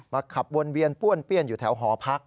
ขับวนเวียนป้วนเปี้ยนอยู่แถวหอพัก